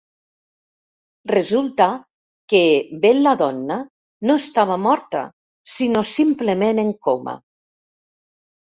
Resulta que Bella Donna no estava morta, sinó simplement en coma.